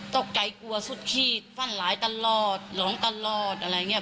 ตกใจกลัวสุดขีดฟันหลายตลอดร้องตลอดอะไรอย่างนี้